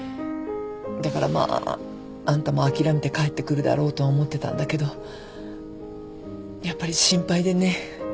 だからまああんたも諦めて帰ってくるだろうとは思ってたんだけどやっぱり心配でね。